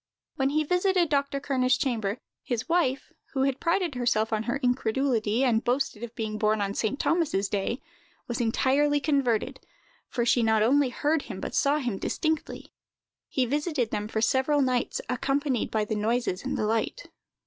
When he visited Dr. Kerner's chamber, his wife, who had prided herself on her incredulity, and boasted of being born on St. Thomas's day, was entirely converted, for she not only heard him, but saw him distinctly. He visited them for several nights, accompanied by the noises and the light.